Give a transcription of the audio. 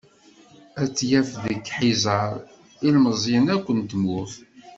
Ad t-yaf deg Ḥiẓer, ilmeẓyen akk n tmurt.